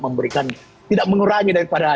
memberikan tidak mengurangi daripada